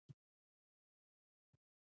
د اضافي ارزښت بیه د استثمار بیه هم بلل کېږي